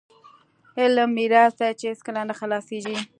علم میراث دی چې هیڅکله نه خلاصیږي.